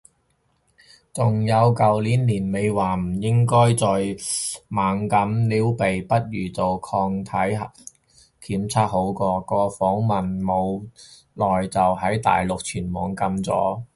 仲有舊年年尾話唔應該再猛咁撩鼻，不如做抗體檢測好過，個訪問冇耐就喺大陸全網禁咗